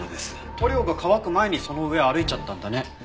塗料が乾く前にその上歩いちゃったんだね実相寺。